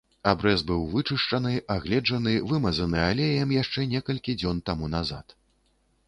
Абрэз быў вычышчаны, агледжаны, вымазаны алеем яшчэ некалькі дзён таму назад.